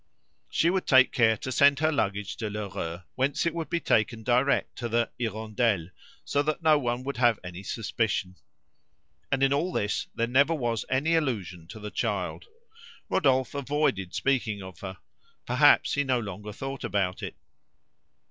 She would take care to send her luggage to Lheureux whence it would be taken direct to the "Hirondelle," so that no one would have any suspicion. And in all this there never was any allusion to the child. Rodolphe avoided speaking of her; perhaps he no longer thought about it.